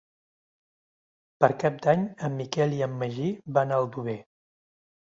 Per Cap d'Any en Miquel i en Magí van a Aldover.